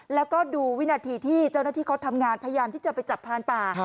แล้วก็ดูวินาทีที่เจ้าหน้าที่เขาทำงานพยายามที่จะไปจับพรานป่า